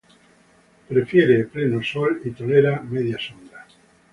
Prefiere pleno sol y tolera media sombra.